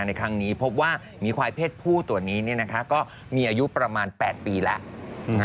ในครั้งนี้พบว่ามีควายเพศผู้ตัวนี้ก็มีอายุประมาณ๘ปีแล้ว